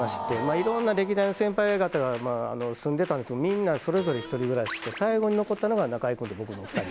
いろんな歴代の先輩方が住んでたんですけどみんなそれぞれ１人暮らしして最後に残ったのが中居君と僕の２人。